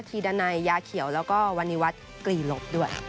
ถีดันัยยาเขียวและก็วันนิวัฒน์กลี่หลบด้วย